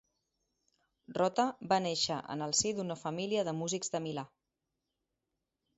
Rota va néixer en el si d'una família de músics de Milà.